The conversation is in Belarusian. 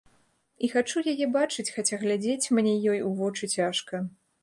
І хачу яе бачыць, хаця глядзець мне ёй у вочы цяжка.